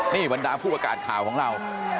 นี่บรรดาผู้ประกาศข่าวของเรา